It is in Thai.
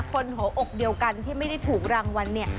คนหัวอกเดียวกันที่ไม่ได้ถูกรางวัลเนี่ย